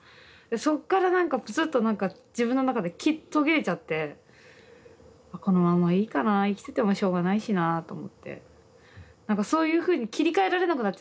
そこから何かプツッと何か自分の中で途切れちゃってこのまんまいいかな生きててもしょうがないしなと思って何かそういうふうに切り替えられなくなっちゃったんですよ